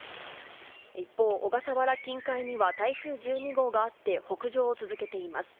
一方、小笠原近海には台風１２号があって北上を続けています。